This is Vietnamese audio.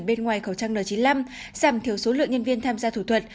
bên ngoài khẩu trang n chín mươi năm giảm thiểu số lượng nhân viên tham gia thủ thuật